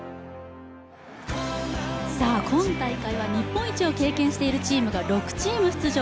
今大会は日本一を経験しているチームが６チーム出場。